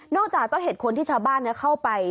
นอกจากต้องเห็นคนที่ชาวบ้านเข้าไป